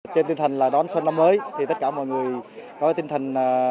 trên tinh thần là đón xuân năm mới thì tất cả mọi người có tinh thần